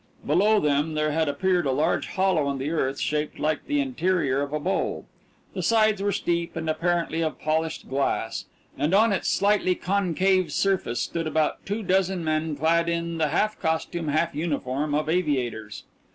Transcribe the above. Below them there had appeared a large hollow in the earth shaped like the interior of a bowl. The sides were steep and apparently of polished glass, and on its slightly concave surface stood about two dozen men clad in the half costume, half uniform, of aviators.